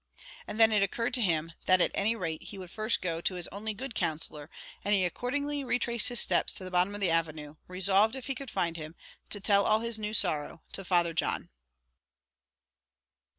And then it occurred to him that, at any rate, he would first go to his only good counsellor; and he accordingly retraced his steps to the bottom of the avenue, resolved, if he could find him, to tell all his new sorrow to Father John.